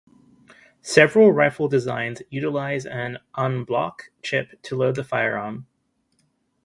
Several rifle designs utilize an "en bloc" clip to load the firearm.